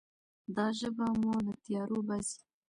دا ژبه مو له تیارو باسي.